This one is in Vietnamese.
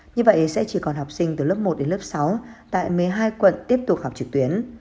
như vậy sẽ chỉ còn học sinh từ lớp một đến lớp sáu tại một mươi hai quận tiếp tục học trực tuyến